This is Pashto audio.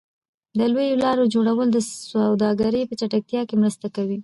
د لویو لارو جوړول د سوداګرۍ په چټکتیا کې مرسته کوي.